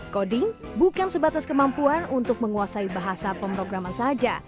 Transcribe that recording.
coding bukan sebatas kemampuan untuk menguasai bahasa pemrograman saja